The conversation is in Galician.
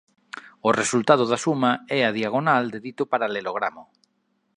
O resultado da suma é a diagonal de dito paralelogramo.